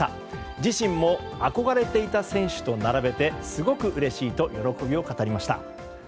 自身も憧れていた選手と並べてすごくうれしいと喜びを語りました。